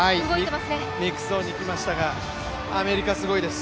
ミックスゾーンに来ましたが、アメリカすごいです。